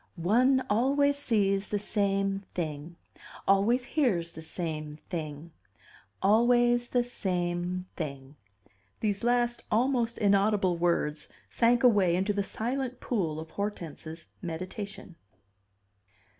"One always sees the same thing. Always hears the same thing. Always the same thing." These last almost inaudible words sank away into the silent pool of Hortense's meditation.